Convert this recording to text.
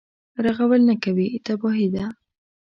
رغول نه کوي تباهي ده.